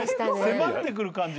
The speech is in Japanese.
迫ってくる感じ。